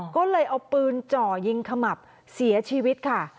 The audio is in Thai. ก็เลยเอาปืนจ่อยิงขมับเสียชีวิตค่ะ